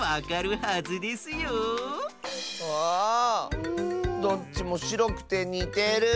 うわあどっちもしろくてにてる。